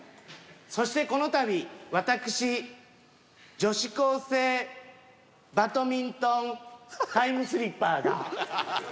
そしてこの度私女子高生バドミントンタイムスリッパーが。